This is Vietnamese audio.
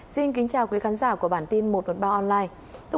xin kính chào quý khán giả của bản tin một trăm một mươi ba online